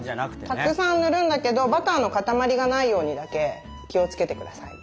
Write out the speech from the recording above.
たくさん塗るんだけどバターの塊がないようにだけ気をつけてください。